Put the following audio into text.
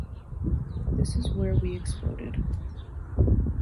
This is where we exploded!